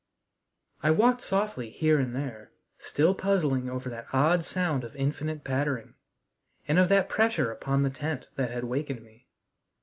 I walked softly here and there, still puzzling over that odd sound of infinite pattering, and of that pressure upon the tent that had wakened me.